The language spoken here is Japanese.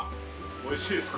おいしいですか。